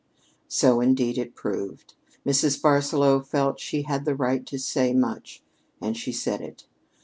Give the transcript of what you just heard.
So, indeed, it proved. Mrs. Barsaloux felt she had the right to say much, and she said it.